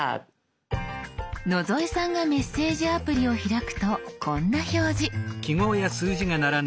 野添さんがメッセージアプリを開くとこんな表示。